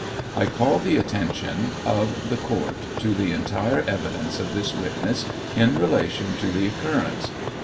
I call the attention of the court to the entire evidence of this witness in relation to the occurrence.